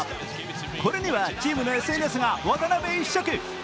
これにはチームのＳＮＳが渡邊一色。